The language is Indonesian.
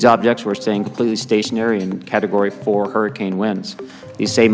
objek objek ini berada di kategori empat hurufan hurufan